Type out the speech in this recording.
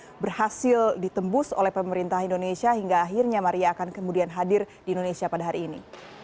yang berhasil ditembus oleh pemerintah indonesia hingga akhirnya maria akan kemudian hadir di indonesia pada hari ini